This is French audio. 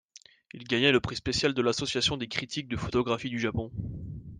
Il gagna le prix spécial de l'association des critiques de photographies du Japon.